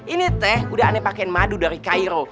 ini teh udah aneh pakaian madu dari cairo